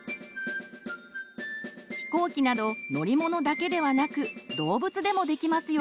ひこうきなど乗り物だけではなく動物でもできますよ！